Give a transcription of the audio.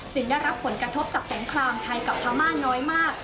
ได้รับผลกระทบจากแสงคลางไทยกับพม่าน้อยมาก